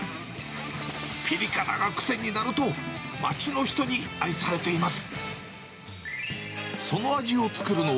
ぴり辛が癖になると、街の人に愛されています。